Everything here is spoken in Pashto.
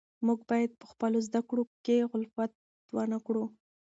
موږ باید په خپلو زده کړو کې غفلت ونه کړو.